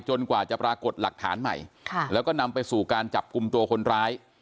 กว่าจะปรากฏหลักฐานใหม่แล้วก็นำไปสู่การจับกลุ่มตัวคนร้าย